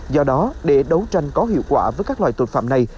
do đó để đấu tranh có hiệu quả với các loại tội phạm này